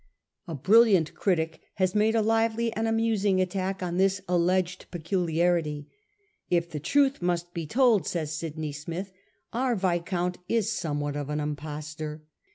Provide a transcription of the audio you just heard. A brilliant critic has made a lively and amusing attack on this alleged peculiarity. ' If the truth must be told,' says Sydney Smith, ' our viscount is somewhat of an impostor.